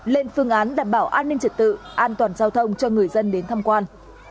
lên phương án đảm bảo an ninh trật tự an toàn giao thông cho người dân đến tham quan